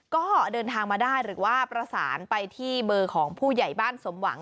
ก็เดินทางมาได้หรือว่าประสานไปที่เบอร์ของผู้ใหญ่บ้านสมหวัง